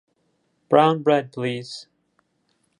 Brown bread, please.